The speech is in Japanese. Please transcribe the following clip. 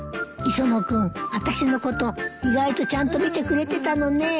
磯野君あたしのこと意外とちゃんと見てくれてたのねえ。